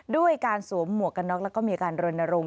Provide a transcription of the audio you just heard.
ด้วยการสวมหมวกกันน็อกแล้วก็มีการรณรงค